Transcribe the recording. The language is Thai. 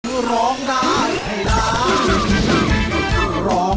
คือร้องได้ให้ร้าน